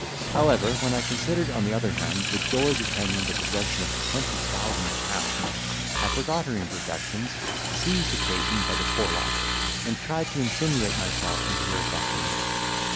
However, when I considered, on the other hand, the joys attending the possession of twenty thousand pounds, I forgot her imperfections, seized occasion by the forelock, and tried to insinuate myself into her affection.